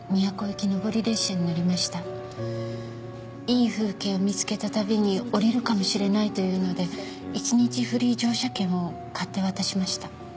いい風景を見付けたたびに降りるかもしれないというので１日フリー乗車券を買って渡しました。